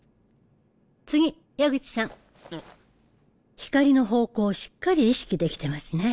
次矢口さん光の方向をしっかり意識できてますね